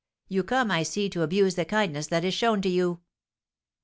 You come, I see, to abuse the kindness that is shown to you."